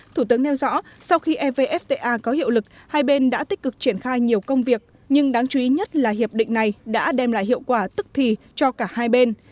thủ tướng nêu rõ sau khi evfta có hiệu lực hai bên đã tích cực triển khai nhiều công việc nhưng đáng chú ý nhất là hiệp định này đã đem lại hiệu quả tức thì cho cả hai bên